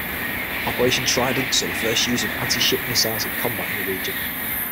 Operation Trident saw the first use of anti-ship missiles in combat in the region.